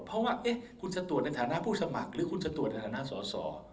เพราะว่าคุณจะตรวจในฐานะผู้สมัครหรือคุณจะตรวจในฐานะสอสอ